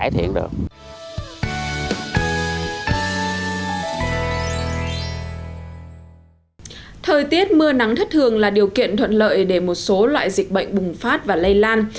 thời tiết mưa nắng thất thường là điều kiện thuận lợi để một số loại dịch bệnh bùng phát và lây lan